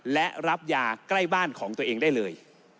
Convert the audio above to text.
และรับยาใกล้บ้านของตัวเองได้เลย